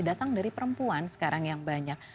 datang dari perempuan sekarang yang banyak